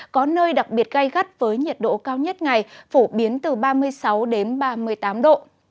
có nơi đặc biệt gai gắt với nhiệt độ cao nhất ngày phổ biến từ ba mươi sáu đến ba mươi tám độ